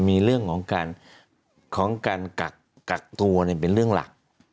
มีเรื่องของการกักตัวเป็นเรื่องหลัก